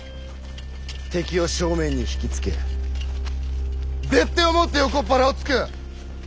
敵を正面に引き付け別手をもって横っ腹をつく！